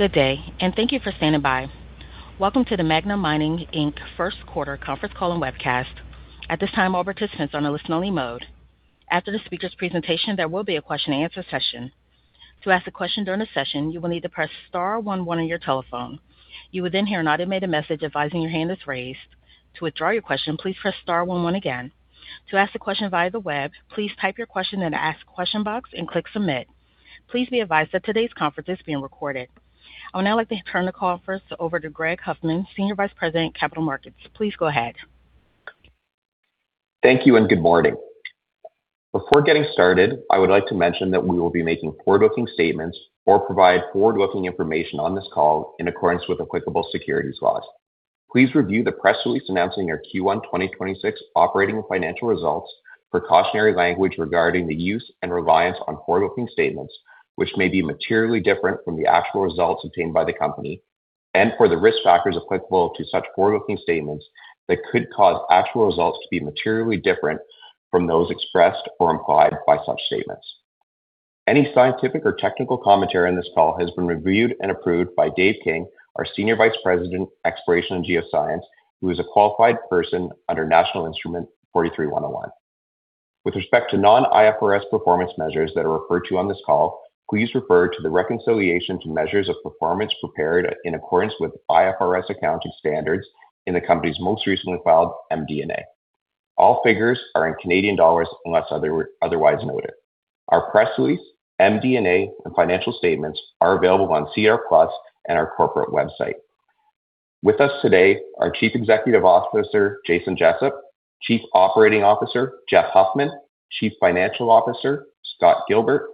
Good day, and thank you for standing by. Welcome to the Magna Mining Inc first quarter conference call and webcast. At this time, all participants are in listen-only mode. After the speakers' presentation, there will be a question-and-answer session. To ask a question during the session, you will need to press star one one on your telephone. You will then hear an automated message advising your hand is raised. To withdraw your question, please press star one one again. To ask a question via the web, please type your question in ask question box and click submit. Please be advised that today's conference is being recorded. I would now like to turn the call first over to Greg Huffman, Senior Vice President, Capital Markets. Please go ahead. Thank you and good morning. Before getting started, I would like to mention that we will be making forward-looking statements or provide forward-looking information on this call in accordance with applicable securities laws. Please review the press release announcing our Q1 2026 operating and financial results, precautionary language regarding the use and reliance on forward-looking statements, which may be materially different from the actual results obtained by the company, and for the risk factors applicable to such forward-looking statements that could cause actual results to be materially different from those expressed or implied by such statements. Any scientific or technical commentary on this call has been reviewed and approved by Dave King, our Senior Vice President, Exploration and Geoscience, who is a qualified person under National Instrument 43-101. With respect to non-IFRS performance measures that are referred to on this call, please refer to the reconciliation to measures of performance prepared in accordance with IFRS accounting standards in the company's most recently filed MD&A. All figures are in Canadian dollars unless otherwise noted. Our press release, MD&A and financial statements are available on SEDAR+ and our corporate website. With us today, our Chief Executive Officer, Jason Jessup, Chief Operating Officer, Jeff Huffman, Chief Financial Officer, Scott Gilbert,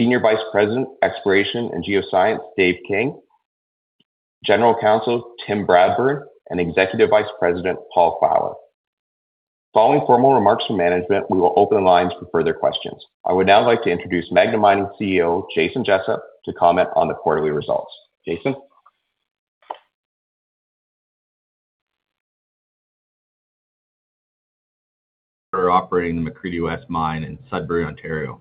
Senior Vice President, Exploration and Geoscience, Dave King, General Counsel, Tim Bradburn, and Executive Vice President, Paul Fowler. Following formal remarks from management, we will open lines for further questions. I would now like to introduce Magna Mining CEO, Jason Jessup, to comment on the quarterly results. Jason? We're operating the McCreedy West Mine in Sudbury, Ontario.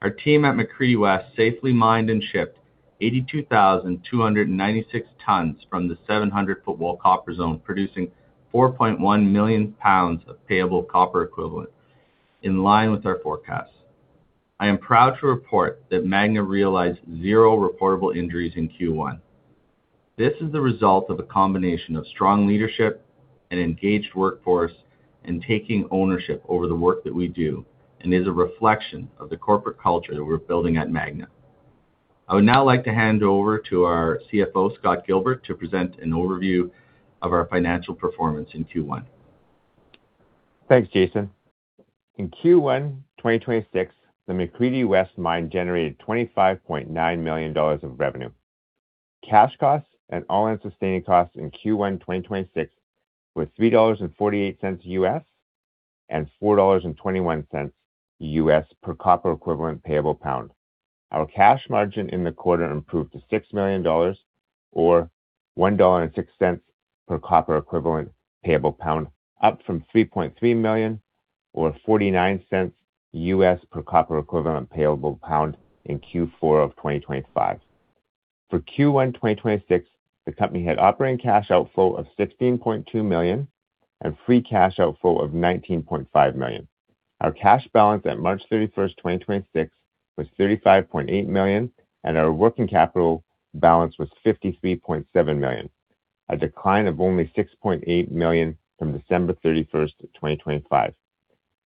Our team at McCreedy West safely mined and shipped 82,296 tons from the 700 Footwall Copper Zone, producing 4.1 million lbs of payable copper equivalent, in line with our forecasts. I am proud to report that Magna realized zero reportable injuries in Q1. This is the result of a combination of strong leadership, an engaged workforce, and taking ownership over the work that we do and is a reflection of the corporate culture that we're building at Magna. I would now like to hand over to our CFO, Scott Gilbert, to present an overview of our financial performance in Q1. Thanks, Jason. In Q1 2026, the McCreedy West Mine generated 25.9 million dollars of revenue. Cash costs and all-in sustaining costs in Q1 2026 were $3.48 and $4.21 per copper equivalent payable pound. Our cash margin in the quarter improved to 6 million dollars or 1.06 dollar per copper equivalent payable pound, up from 3.3 million or $0.49 per copper equivalent payable pound in Q4 of 2025. For Q1 2026, the company had operating cash outflow of 16.2 million and free cash outflow of 19.5 million. Our cash balance at March 31st, 2026 was 35.8 million, and our working capital balance was 53.7 million, a decline of only 6.8 million from December 31st, 2025.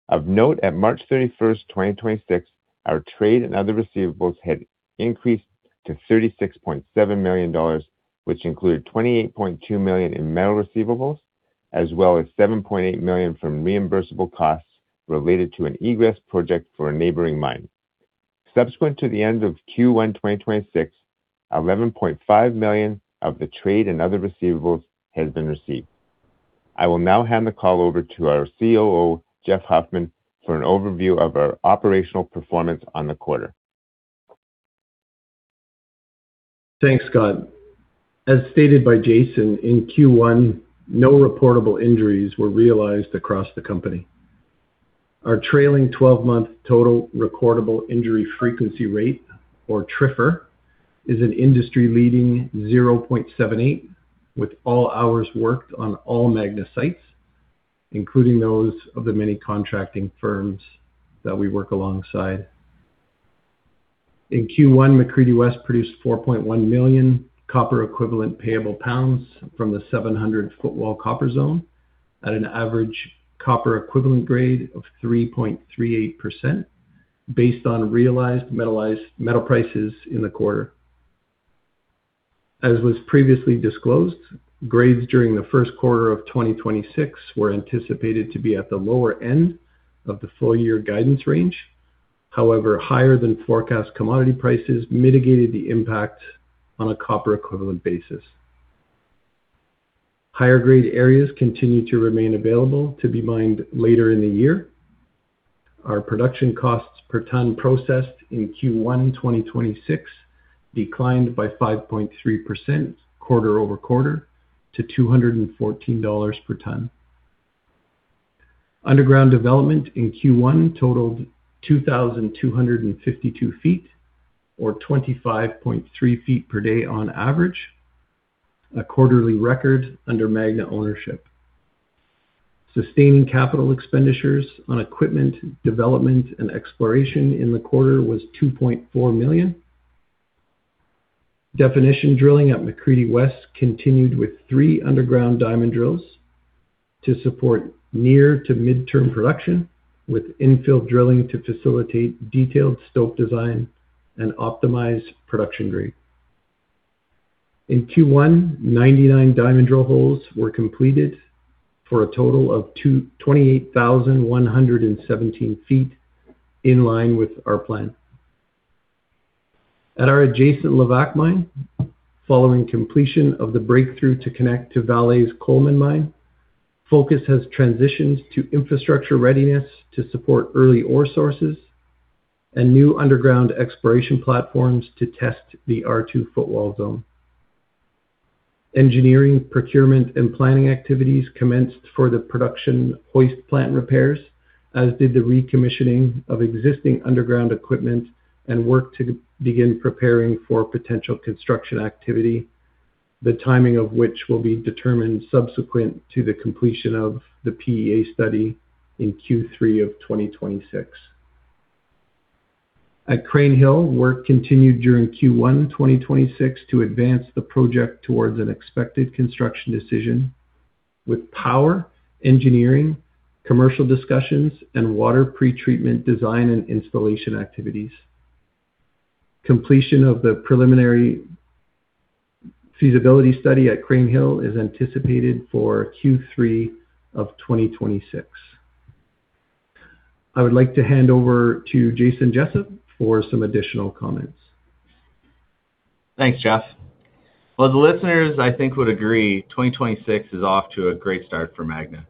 Of note, at March 31st, 2026, our trade and other receivables had increased to 36.7 million dollars, which included 28.2 million in metal receivables, as well as 7.8 million from reimbursable costs related to an egress project for a neighboring mine. Subsequent to the end of Q1 2026, 11.5 million of the trade and other receivables has been received. I will now hand the call over to our COO, Jeff Huffman, for an overview of our operational performance on the quarter. Thanks, Scott. As stated by Jason, in Q1, no reportable injuries were realized across the company. Our trailing 12-month total recordable injury frequency rate, or TRIFR, is an industry-leading 0.78, with all hours worked on all Magna sites, including those of the many contracting firms that we work alongside. In Q1, McCreedy West produced 4.1 million copper equivalent payable pounds from the 700 Footwall Copper Zone at an average copper equivalent grade of 3.38%, based on realized metal prices in the quarter. As was previously disclosed, grades during the first quarter of 2026 were anticipated to be at the lower end of the full year guidance range. Higher than forecast commodity prices mitigated the impact on a copper equivalent basis. Higher grade areas continue to remain available to be mined later in the year. Our production costs per ton processed in Q1 2026 declined by 5.3% quarter-over-quarter to CAD 214/ton. Underground development in Q1 totaled 2,252 ft or 25.3 ft/day on average, a quarterly record under Magna ownership. Sustaining capital expenditures on equipment development and exploration in the quarter was 2.4 million. Definition drilling at McCreedy West continued with three underground diamond drills to support near to midterm production, with infill drilling to facilitate detailed stope design and optimize production grade. In Q1, 99 diamond drill holes were completed for a total of 28,117 ft, in line with our plan. At our adjacent Levack Mine, following completion of the breakthrough to connect to Vale's Coleman Mine, focus has transitioned to infrastructure readiness to support early ore sources and new underground exploration platforms to test the R2 Footwall Zone. Engineering, procurement, and planning activities commenced for the production hoist plant repairs, as did the recommissioning of existing underground equipment and work to begin preparing for potential construction activity, the timing of which will be determined subsequent to the completion of the PEA study in Q3 of 2026. At Crean Hill, work continued during Q1 2026 to advance the project towards an expected construction decision with power, engineering, commercial discussions, and water pretreatment design and installation activities. Completion of the preliminary feasibility study at Crean Hill is anticipated for Q3 of 2026. I would like to hand over to Jason Jessup for some additional comments. Thanks, Jeff. Well, the listeners, I think, would agree 2026 is off to a great start for Magna.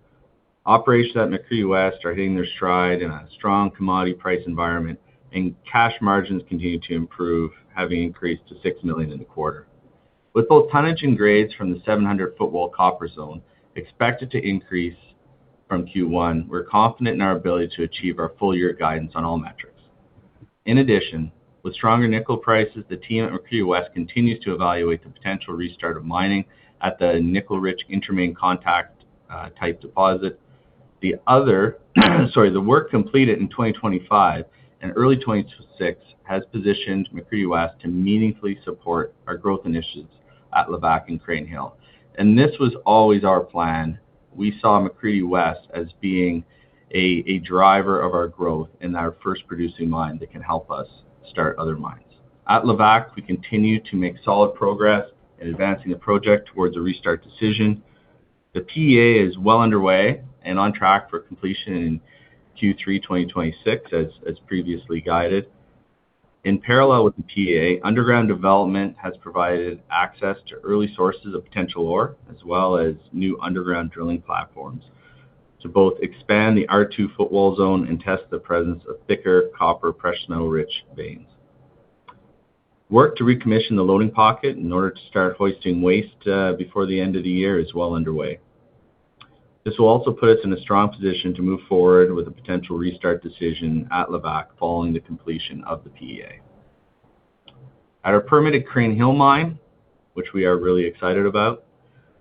Operations at McCreedy West are hitting their stride in a strong commodity price environment, and cash margins continue to improve, having increased to 6 million in the quarter. With both tonnage and grades from the 700 Footwall Copper Zone expected to increase from Q1, we're confident in our ability to achieve our full year guidance on all metrics. In addition, with stronger nickel prices, the team at McCreedy West continues to evaluate the potential restart of mining at the nickel-rich Intermain contact-type deposit. The work completed in 2025 and early 2026 has positioned McCreedy West to meaningfully support our growth initiatives at Levack and Crean Hill. This was always our plan. We saw McCreedy West as being a driver of our growth in our first producing mine that can help us start other mines. At Levack, we continue to make solid progress in advancing the project towards a restart decision. The PEA is well underway and on track for completion in Q3 2026, as previously guided. In parallel with the PEA, underground development has provided access to early sources of potential ore, as well as new underground drilling platforms to both expand the R2 Footwall Zone and test the presence of thicker copper rich veins. Work to recommission the loading pocket in order to start hoisting waste before the end of the year is well underway. This will also put us in a strong position to move forward with a potential restart decision at Levack following the completion of the PEA. At our permitted Crean Hill mine, which we are really excited about,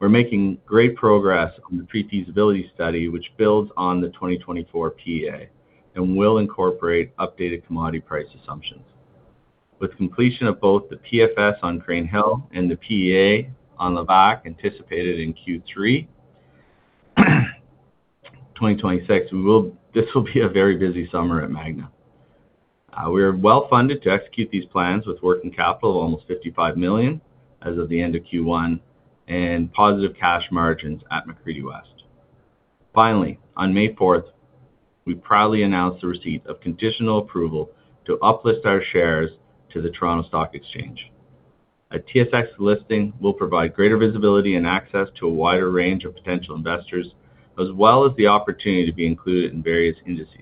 we're making great progress on the pre-feasibility study, which builds on the 2024 PEA and will incorporate updated commodity price assumptions. With completion of both the PFS on Crean Hill and the PEA on Levack anticipated in Q3 2026, this will be a very busy summer at Magna. We are well-funded to execute these plans with working capital of almost 55 million as of the end of Q1 and positive cash margins at McCreedy West. On May 4th, we proudly announced the receipt of conditional approval to uplist our shares to the Toronto Stock Exchange. A TSX listing will provide greater visibility and access to a wider range of potential investors, as well as the opportunity to be included in various indices.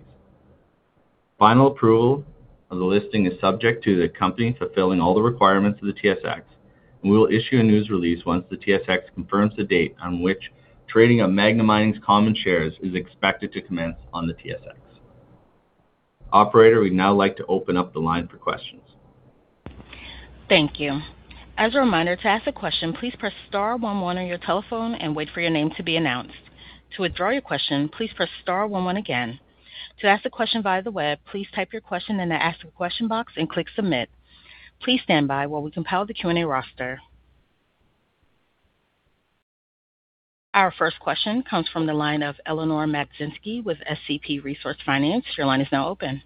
Final approval of the listing is subject to the company fulfilling all the requirements of the TSX. We will issue a news release once the TSX confirms the date on which trading of Magna Mining's common shares is expected to commence on the TSX. Operator, we'd now like to open up the line for questions. Thank you. As a reminder, to ask a question, please press star one one on your telephone and wait for your name to be announced. To withdraw your question, please press star one one again. To ask a question via the web, please type your question in the ask question box and click submit. Please stand by while we compile the Q&A roster. Our first question comes from the line of Eleanor Magdzinski with SCP Resource Finance. Your line is now open.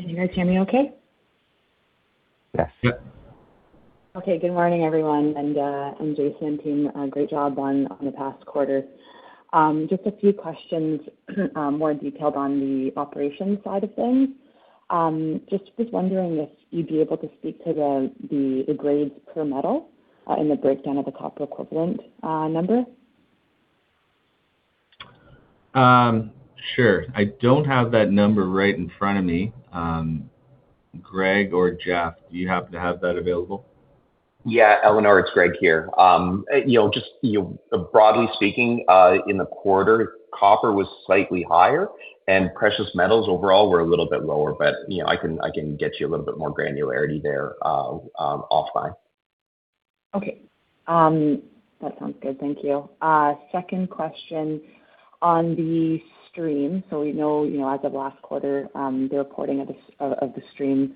Can you guys hear me okay? Yes. Yep. Good morning, everyone, and Jason team, great job on the past quarter. Just a few questions, more detailed on the operations side of things. Just was wondering if you'd be able to speak to the grades per metal in the breakdown of the copper equivalent number? Sure. I don't have that number right in front of me. Greg or Jeff, do you happen to have that available? Yeah, Eleanor, it's Greg here. Broadly speaking, in the quarter, copper was slightly higher and precious metals overall were a little bit lower. I can get you a little bit more granularity there offline. Okay. That sounds good. Thank you. Second question on the stream. We know, as of last quarter, the reporting of the stream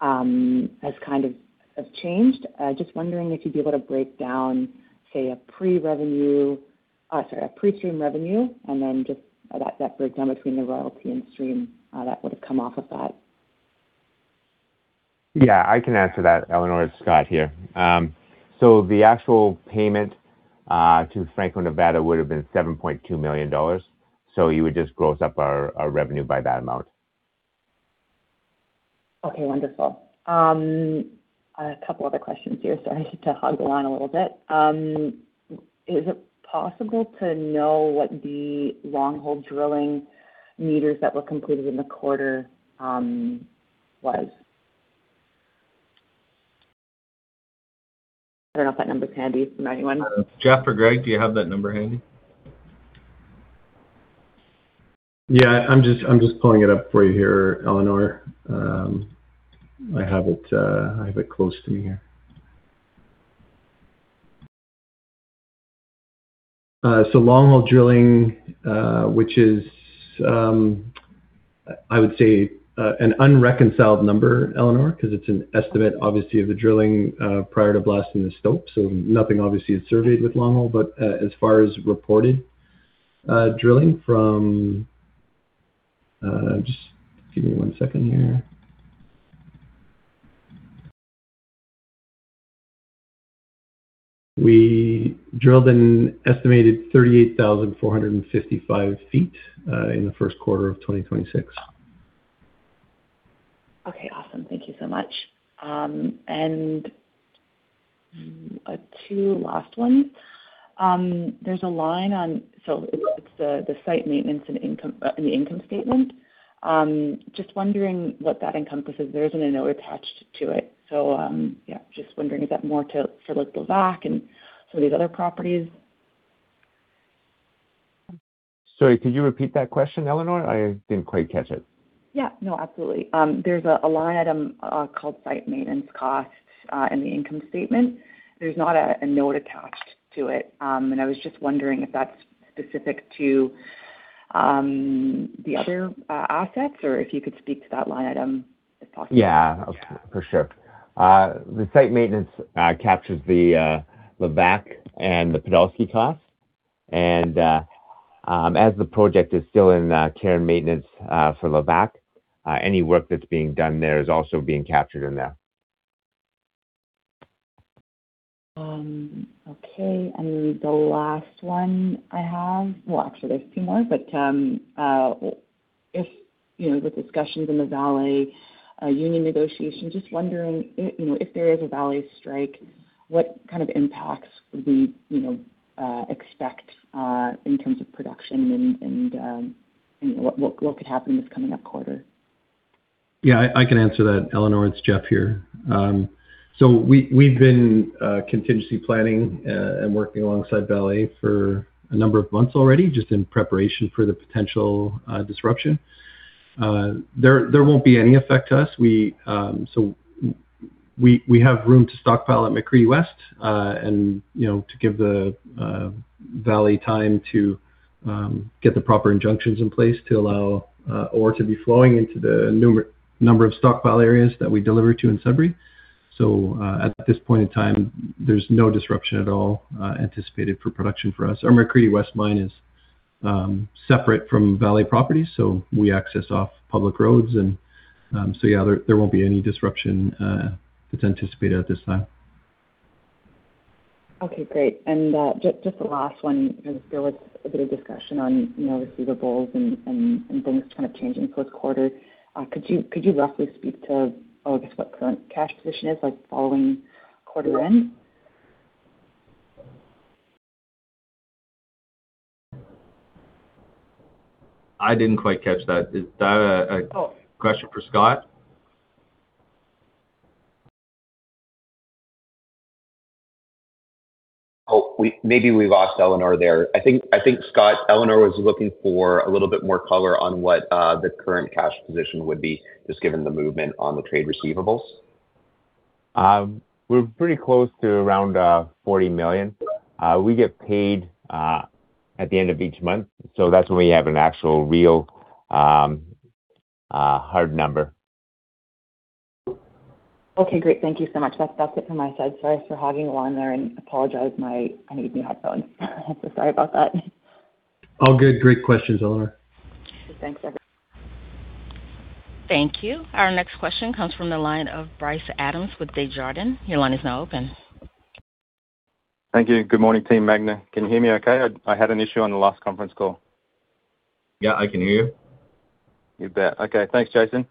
has changed. Just wondering if you'd be able to break down, say, a pre-stream revenue, and then just that breakdown between the royalty and stream that would've come off of that. Yeah, I can answer that, Eleanor. It's Scott here. The actual payment to Franco-Nevada would've been 7.2 million dollars. You would just gross up our revenue by that amount. Wonderful. A couple other questions here. Sorry to hog the line a little bit. Is it possible to know what the long hole drilling meters that were completed in the quarter was? I don't know if that number's handy from anyone. Jeff or Greg, do you have that number handy? Yeah, I'm just pulling it up for you here, Eleanor. I have it close to me here. Long hole drilling, which is, I would say, an unreconciled number, Eleanor, because it's an estimate, obviously, of the drilling prior to blasting the stope. Nothing, obviously, is surveyed with long hole, but as far as reported drilling from- just give me one second here. We drilled an estimated 38,455 ft in the first quarter of 2026. Okay, awesome. Thank you so much. Two last ones. There is a line on the site maintenance in the income statement. Just wondering what that encompasses. There isn't a note attached to it. Yeah, just wondering is that more for Levack and some of these other properties? Sorry, could you repeat that question, Eleanor? I didn't quite catch it. Yeah, no, absolutely. There's a line item called site maintenance cost in the income statement. There's not a note attached to it. I was just wondering if that's specific to the other assets or if you could speak to that line item if possible. Yeah. For sure. The site maintenance captures the Levack and the Podolsky cost. As the project is still in care and maintenance for Levack, any work that's being done there is also being captured in there. Okay, Well, actually there's two more, but with discussions in the Vale union negotiation, just wondering if there is a Vale strike, what kind of impacts would we expect in terms of production and what could happen this coming up quarter? Yeah, I can answer that, Eleanor. It's Jeff here. We've been contingency planning and working alongside Vale for a number of months already, just in preparation for the potential disruption. There won't be any effect to us. We have room to stockpile at McCreedy West, and to give Vale time to get the proper injunctions in place to allow ore to be flowing into the number of stockpile areas that we deliver to in Sudbury. At this point in time, there's no disruption at all anticipated for production for us. Our McCreedy West Mine is separate from Vale properties, we access off public roads. Yeah, there won't be any disruption that's anticipated at this time. Okay, great. Just the last one, because there was a bit of discussion on receivables and things kind of changing first quarter. Could you roughly speak to, I guess, what current cash position is like following quarter end? I didn't quite catch that. Is that a question for Scott? Maybe we've lost Eleanor there. I think, Scott, Eleanor was looking for a little bit more color on what the current cash position would be, just given the movement on the trade receivables. We're pretty close to around 40 million. We get paid at the end of each month, so that's when we have an actual real hard number. Okay, great. Thank you so much. That's it from my side. Sorry for hogging the line there and apologize, I need new headphones. Sorry about that. All good. Great questions, Eleanor. Thanks, everyone. Thank you. Our next question comes from the line of Bryce Adams with Desjardins. Your line is now open. Thank you. Good morning, Team Magna. Can you hear me okay? I had an issue on the last conference call. Yeah, I can hear you. You bet. Okay, thanks, Jason.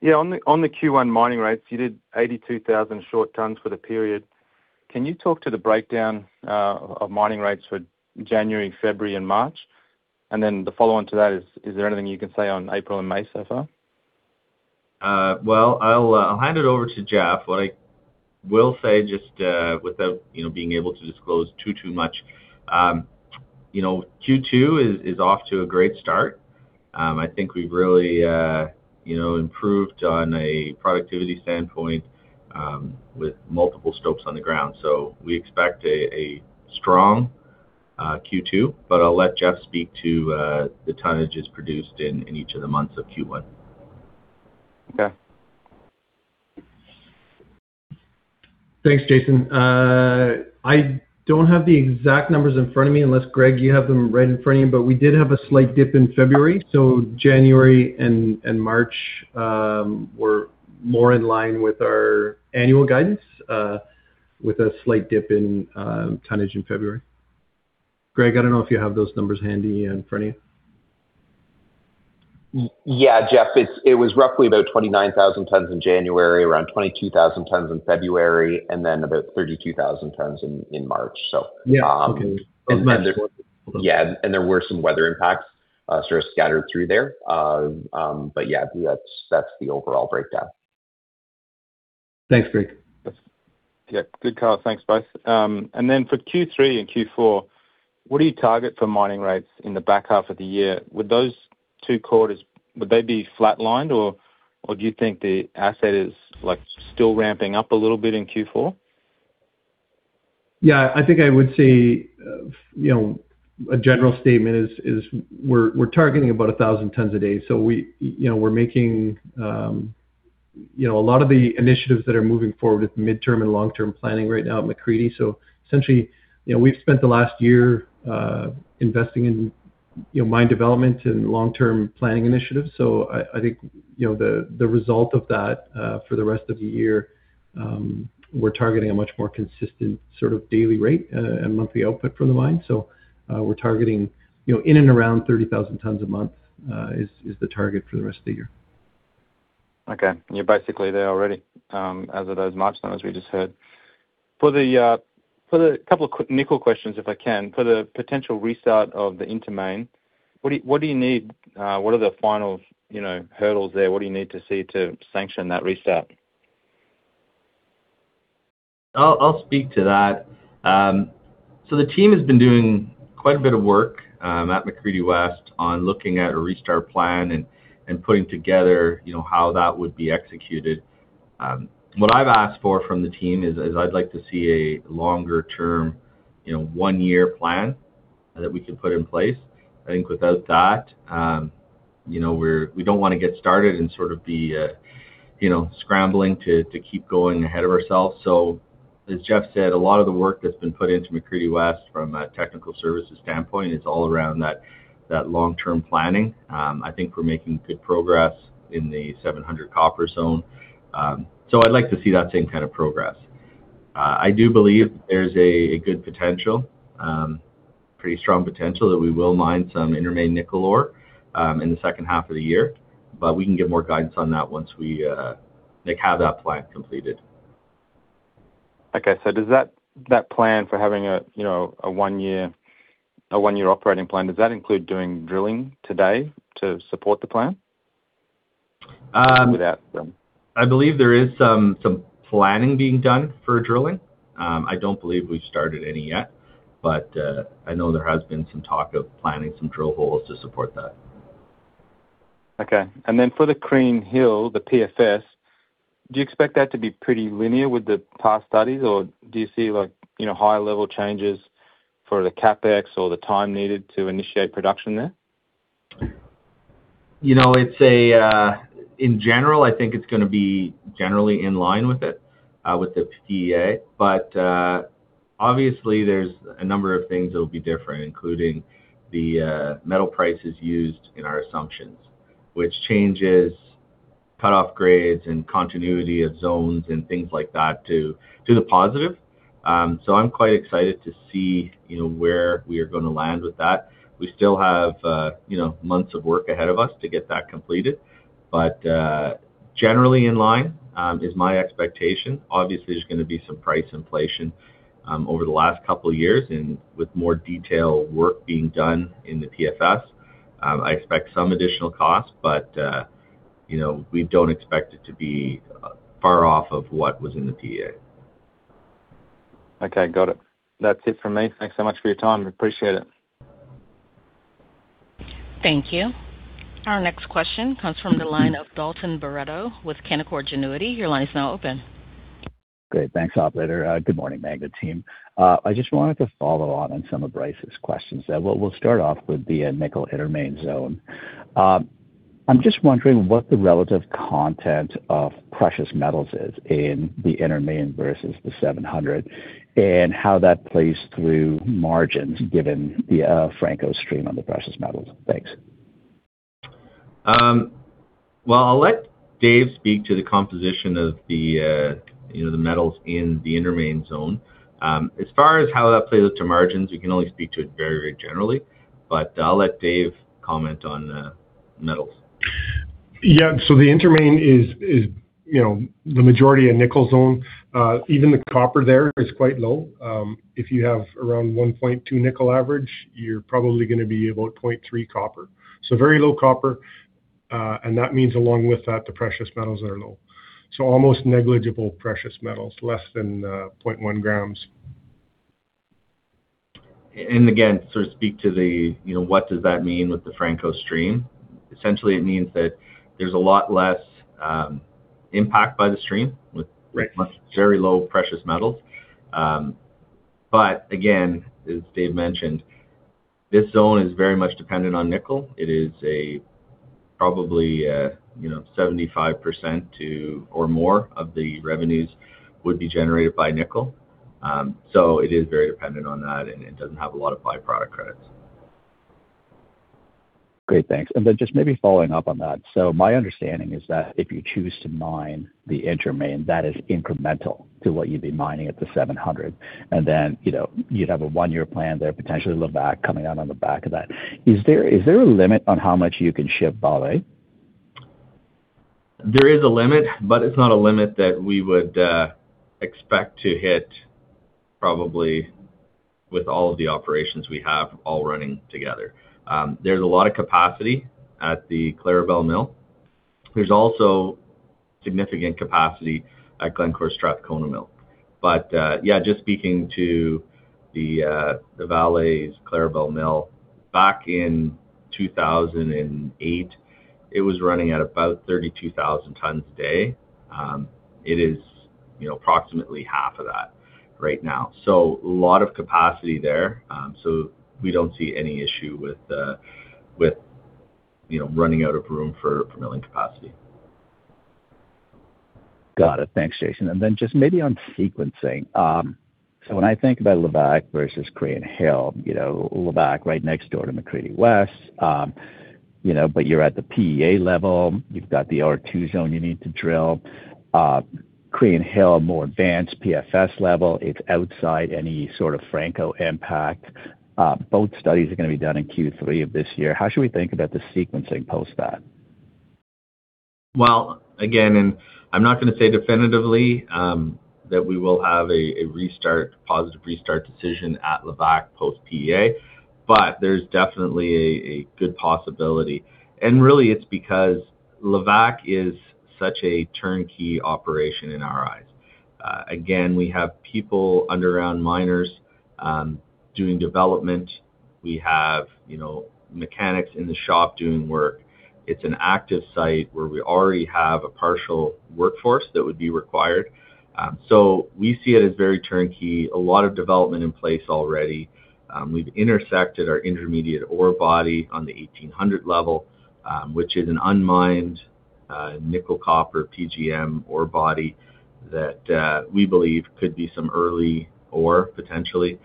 Yeah, on the Q1 mining rates, you did 82,000 short tons for the period. Can you talk to the breakdown of mining rates for January, February, and March? Then the follow-on to that is there anything you can say on April and May so far? Well, I'll hand it over to Jeff. What I will say, just without being able to disclose too much, Q2 is off to a great start. I think we've really improved on a productivity standpoint with multiple scopes on the ground. We expect a strong Q2, but I'll let Jeff speak to the tonnages produced in each of the months of Q1. Okay. Thanks, Jason. I don't have the exact numbers in front of me, unless, Greg, you have them right in front of you, but we did have a slight dip in February. January and March were more in line with our annual guidance, with a slight dip in tonnage in February. Greg, I don't know if you have those numbers handy in front of you. Yeah, Jeff, it was roughly about 29,000 tons in January, around 22,000 tons in February, and then about 32,000 tons in March. Yeah. Okay. Yeah. There were some weather impacts sort of scattered through there. Yeah, that's the overall breakdown. Thanks, Greg. Yeah. Good call. Thanks, both. For Q3 and Q4, what do you target for mining rates in the back half of the year? Would those two quarters, would they be flatlined or do you think the asset is still ramping up a little bit in Q4? Yeah, I think I would say a general statement is we're targeting about 1,000 tons a day. We're making a lot of the initiatives that are moving forward with midterm and long-term planning right now at McCreedy. Essentially, we've spent the last year investing in mine development and long-term planning initiatives. I think, the result of that, for the rest of the year, we're targeting a much more consistent sort of daily rate and monthly output from the mine. We're targeting in and around 30,000 tons a month is the target for the rest of the year. Okay. You're basically there already, as of those March numbers we just heard. A couple of quick nickel questions, if I can. For the potential restart of the Intermain, what do you need? What are the final hurdles there? What do you need to see to sanction that restart? I'll speak to that. The team has been doing quite a bit of work at McCreedy West on looking at a restart plan and putting together how that would be executed. What I've asked for from the team is I'd like to see a longer-term one-year plan that we can put in place. I think without that, we don't want to get started and sort of be scrambling to keep going ahead of ourselves. As Jeff said, a lot of the work that's been put into McCreedy West from a technical services standpoint is all around that long-term planning. I think we're making good progress in the 700 Copper Zone. I'd like to see that same kind of progress. I do believe there's a good potential, pretty strong potential that we will mine some Intermain nickel ore in the second half of the year. We can give more guidance on that once we have that plan completed. Okay. Does that plan for having a one-year operating plan, does that include doing drilling today to support the plan? Without drilling. I believe there is some planning being done for drilling. I don't believe we've started any yet, but I know there has been some talk of planning some drill holes to support that. Okay. For the Crean Hill, the PFS, do you expect that to be pretty linear with the past studies or do you see higher level changes for the CapEx or the time needed to initiate production there? In general, I think it's going to be generally in line with it, with the PEA. Obviously there's a number of things that will be different, including the metal prices used in our assumptions. Which changes cut off grades and continuity of zones and things like that to the positive. I'm quite excited to see where we are going to land with that. We still have months of work ahead of us to get that completed, but generally in line, is my expectation. Obviously, there's going to be some price inflation over the last couple of years and with more detailed work being done in the PFS. I expect some additional costs, but we don't expect it to be far off of what was in the PEA. Okay, got it. That's it from me. Thanks so much for your time. Appreciate it. Thank you. Our next question comes from the line of Dalton Baretto with Canaccord Genuity. Great. Thanks, operator. Good morning, Magna team. I just wanted to follow on some of Bryce's questions there. We'll start off with the nickel Intermain zone. I'm just wondering what the relative content of precious metals is in the Intermain versus the 700, and how that plays through margins, given the Franco stream on the precious metals. Thanks. Well, I'll let Dave speak to the composition of the metals in the Intermain zone. As far as how that plays into margins, we can only speak to it very generally, but I'll let Dave comment on metals. Yeah. The Intermain is the majority a nickel zone. Even the copper there is quite low. If you have around 1.2 nickel average, you're probably going to be about 0.3 copper. Very low copper, and that means along with that, the precious metals are low. Almost negligible precious metals, less than 0.1 grams. Again, to speak to what does that mean with the Franco-Nevada stream? Essentially, it means that there's a lot less impact by the stream with. Right. Very low precious metals. Again, as Dave mentioned, this zone is very much dependent on nickel. It is probably 75% or more of the revenues would be generated by nickel. It is very dependent on that, and it doesn't have a lot of by-product credits. Great. Thanks. Just maybe following up on that. My understanding is that if you choose to mine the Intermain, that is incremental to what you'd be mining at the 700, and then you'd have a one-year plan there, potentially Levack coming out on the back of that. Is there a limit on how much you can ship Vale? There is a limit. It's not a limit that we would expect to hit probably with all of the operations we have all running together. There's a lot of capacity at the Clarabelle Mill. There's also significant capacity at Glencore Strathcona Mill. Just speaking to the Vale's Clarabelle Mill, back in 2008, it was running at about 32,000 tons a day. It is approximately half of that right now. A lot of capacity there. We don't see any issue with running out of room for milling capacity. Got it. Thanks, Jason. Then just maybe on sequencing. When I think about Levack versus Crean Hill, Levack right next door to McCreedy West, but you're at the PEA level, you've got the R2 zone you need to drill. Crean Hill, more advanced PFS level. It's outside any sort of Franco impact. Both studies are going to be done in Q3 of this year. How should we think about the sequencing post that? Again, I'm not going to say definitively that we will have a positive restart decision at Levack post PEA, but there's definitely a good possibility. Really it's because Levack is such a turnkey operation in our eyes. Again, we have people, underground miners doing development. We have mechanics in the shop doing work. It's an active site where we already have a partial workforce that would be required. We see it as very turnkey, a lot of development in place already. We've intersected our intermediate ore body on the 1,800 level, which is an unmined nickel copper PGM ore body that we believe could be some early ore potentially.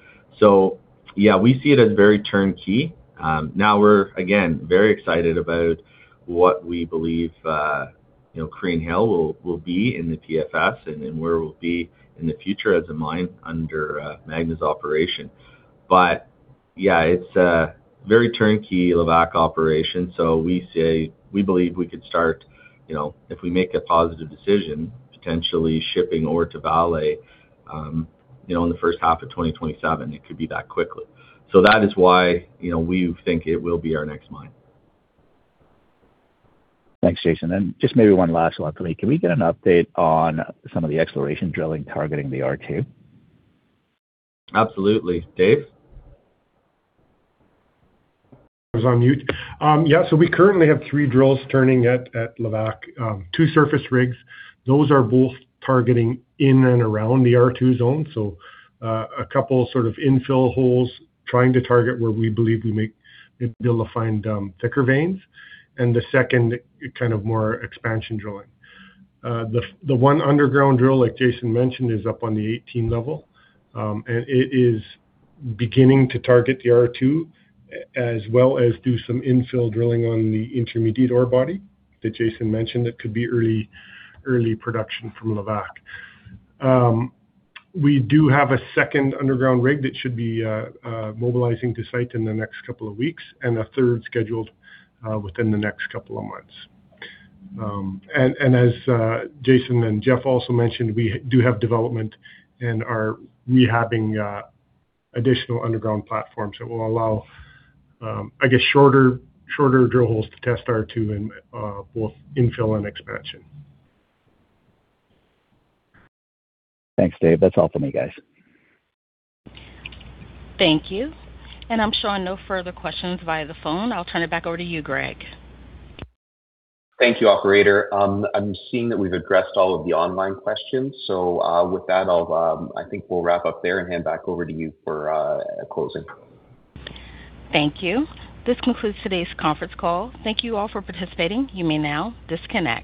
Yeah, we see it as very turnkey. We're, again, very excited about what we believe Crean Hill will be in the PFS and where we'll be in the future as a mine under Magna's operation. Yeah, it's a very turnkey Levack operation. We believe we could start, if we make a positive decision, potentially shipping ore to Vale, in the first half of 2027. It could be that quickly. That is why we think it will be our next mine. Thanks, Jason. Just maybe one last one for me. Can we get an update on some of the exploration drilling targeting the R2? Absolutely. Dave? I was on mute. We currently have three drills turning at Levack. Two surface rigs. Those are both targeting in and around the R2 zone, a couple of infill holes trying to target where we believe we may be able to find thicker veins. The second more expansion drilling. The one underground drill, like Jason mentioned, is up on the 1,800 level. It is beginning to target the R2 as well as do some infill drilling on the intermediate ore body that Jason mentioned that could be early production from Levack. We do have a second underground rig that should be mobilizing to site in the next couple of weeks and a third scheduled within the next couple of months. As Jason and Jeff also mentioned, we do have development and are rehabbing additional underground platforms that will allow shorter drill holes to test R2 in both infill and expansion. Thanks, Dave. That's all for me, guys. Thank you. I'm showing no further questions via the phone. I'll turn it back over to you, Greg. Thank you, operator. I'm seeing that we've addressed all of the online questions. With that, I think we'll wrap up there and hand back over to you for closing. Thank you. This concludes today's conference call. Thank you all for participating. You may now disconnect.